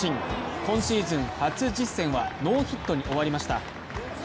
今シーズン初実戦はノーヒットに終わりました。